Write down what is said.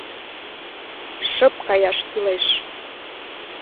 Шып каяш кӱлеш.